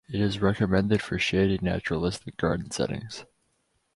It is recommended for shady naturalistic garden settings.